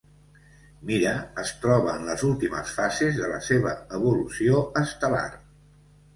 Mira es troba en les últimes fases de la seva evolució estel·lar.